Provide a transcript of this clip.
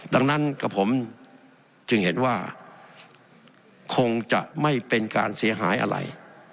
ดังนั้นกับผมจึงเห็นว่าคงจะไม่เป็นการเสียหายอะไร